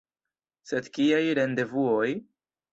Sed kiaj rendevuoj?!